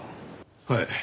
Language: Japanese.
はい。